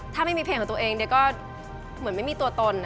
ถ้าไม่มีเพลงของตัวเองเดี๋ยวก็เหมือนไม่มีตัวตน